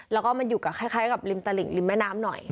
แล้วก็มันอยู่กับคล้ายกับริมตลิ่งริมแม่น้ำหน่อย